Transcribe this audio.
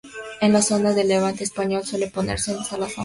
En la zona de levante español suele ponerse en salazón.